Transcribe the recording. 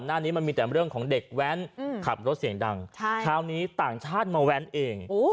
หน้านี้มันมีแต่เรื่องของเด็กแว้นขับรถเสียงดังคราวนี้ต่างชาติมาแว้นเอง